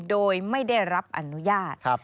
โดยไม่ได้รับอนุญาต